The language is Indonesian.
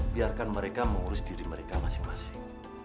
biarkan mereka mengurus diri mereka masing masing